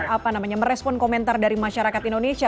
apa namanya merespon komentar dari masyarakat indonesia